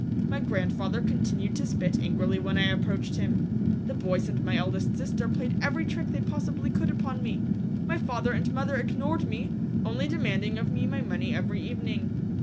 My grandfather continued to spit angrily when I approached him. The boys and my eldest sister played every trick they possibly could upon me. My father and mother ignored me, only demanding of me my money every evening.